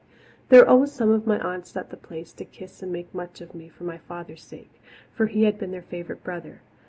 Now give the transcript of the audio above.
There were always some of my aunts at the Place to kiss and make much of me for my father's sake for he had been their favourite brother.